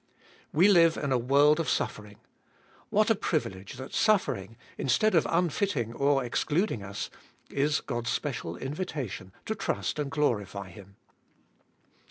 We live in a world of suffering. What a privilege that suffering, instead of unfitting or excluding us, is God's special invitation, to trust and glorify Him.